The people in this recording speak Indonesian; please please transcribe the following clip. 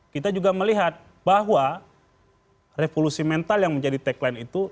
kita juga melihat bahwa revolusi mental yang menjadi tagline itu